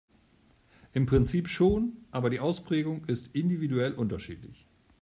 Im Prinzip schon, aber die Ausprägung ist individuell unterschiedlich.